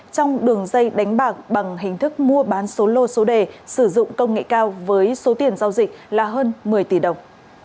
trong đường dây đánh bạc bằng hình thức mua bán số lô số đề sử dụng công nghệ cao với số tiền giao dịch là hơn một mươi tỷ đồng